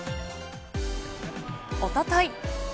おととい。